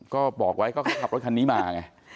ก็บอกไว้ก็เขาขับรถคันนี้มาไง